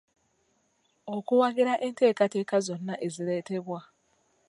Okuwagira enteekateeka zonna ezireetebwa.